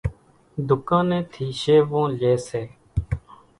ڌُوڪانين ٿي شيوون لي سي۔